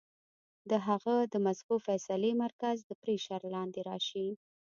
د هغه د مزغو د فېصلې مرکز د پرېشر لاندې راشي